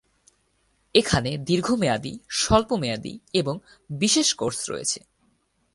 এখানে দীর্ঘমেয়াদী, স্বল্প মেয়াদি এবং বিশেষ কোর্স রয়েছে।